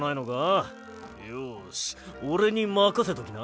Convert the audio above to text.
よしおれにまかせときな！